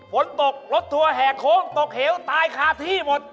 ฝนตกรถทรัวแห่โค้งตกเหื้อตายขาดที่หมด